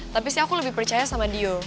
tapi sih aku lebih percaya sama dio